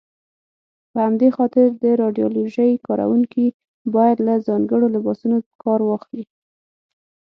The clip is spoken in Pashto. په همدې خاطر د راډیالوژۍ کاروونکي باید له ځانګړو لباسونو کار واخلي.